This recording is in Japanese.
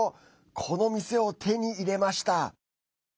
この店を手に入れました。